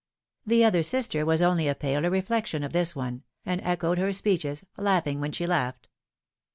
The other sister was only a paler reflection of this one, and echoed her speeches, laughing when she laughed.